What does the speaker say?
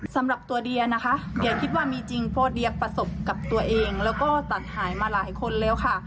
สำหรับตัวเดียนะคะเดียคิดว่ามีจริงเพราะเดียประสบกับตัวเองแล้วก็ตัดหายมาหลายคนแล้วค่ะ